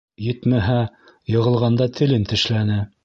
Етмәһә, йығылғанда телен тешләне.